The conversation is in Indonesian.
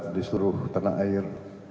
di seluruh tanah air